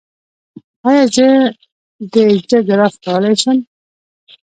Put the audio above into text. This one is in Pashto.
ایا زه د زړه ګراف کولی شم؟